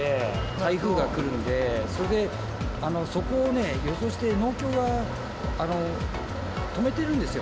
台風が来るんで、それで、そこを予想して、農協が止めてるんですよ。